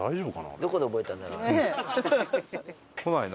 どこで覚えたんだろうね。